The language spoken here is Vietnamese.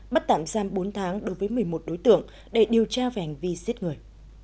bắt tạm giam bốn tháng đối với một mươi một đối tượng để điều tra về hành vi giết người